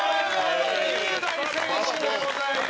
馬場雄大選手でございます。